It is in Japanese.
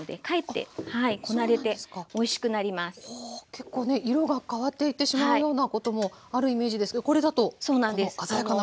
結構ね色が変わっていってしまうようなこともあるイメージですけどこれだとこの鮮やかなまま。